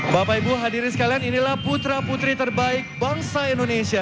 bapak ibu hadirin sekalian inilah putra putri terbaik bangsa indonesia